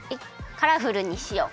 カラフルにしよう。